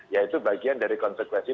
ya itu bagian dari konsekuensi